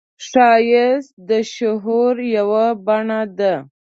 ښایست د شعور یوه بڼه ده